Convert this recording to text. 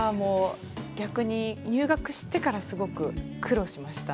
逆に入学してからすごく苦労しました。